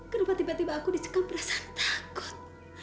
kenapa tiba tiba aku disekam perasaan takut